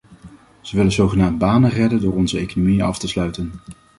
Ze willen zogenaamd banen redden door onze economieën af te sluiten.